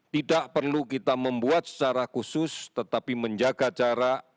tidak perlu kita membuat secara khusus tetapi menjaga jarak